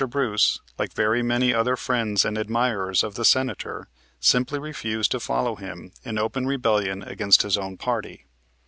Bruce, like very many other friends and admirers of the Senator, simply refused to follow him in open rebellion against his own party.